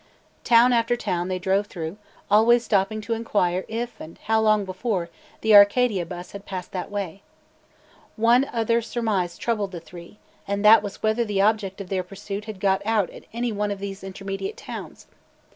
Town after town they drove through, always stopping to inquire if and how long before, the Arcadia bus had passed that way. One other surmise troubled the three, and that was whether the object of their pursuit had got out at any one of these intermediate towns.